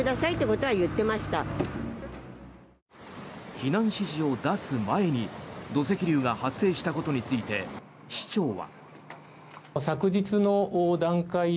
避難指示を出す前に土石流が発生したことについて市長は。